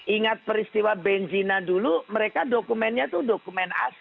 ingat peristiwa benzina dulu mereka dokumennya itu dokumen a